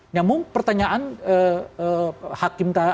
namun pertanyaan hakim taha